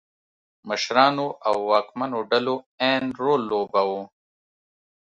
مشرانو او واکمنو ډلو عین رول لوباوه.